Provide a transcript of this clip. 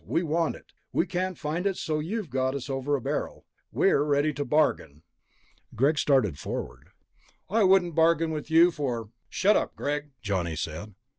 We want it. We can't find it, so you've got us over a barrel. We're ready to bargain." Greg started forward. "I wouldn't bargain with you for...." "Shut up, Greg," Johnny said.